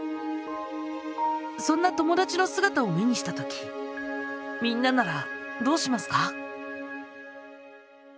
そんな友だちのすがたを目にしたときみんなならどうしますか？